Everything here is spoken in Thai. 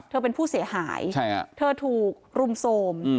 เธอเป็นผู้เสียหายเธอถูกรุมโทรม